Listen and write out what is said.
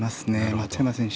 松山選手